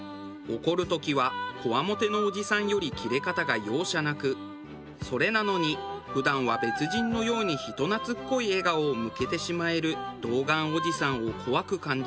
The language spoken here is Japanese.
怒る時はこわもてのおじさんよりキレ方が容赦なくそれなのに普段は別人のように人懐っこい笑顔を向けてしまえる童顔おじさんを怖く感じます。